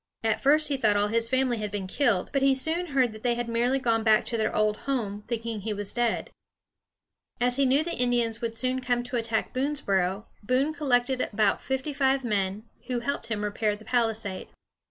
At first he thought all his family had been killed; but he soon heard they had merely gone back to their old home, thinking he was dead. [Illustration: Boone's Grapevine.] As he knew the Indians would soon come to attack Boonesboro, Boone collected about fifty five men, who helped him repair the palisade.